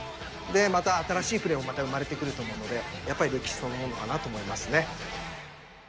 でまた新しいプレーもまた生まれてくると思うのでやっぱり歴史そのものかなと思いますね。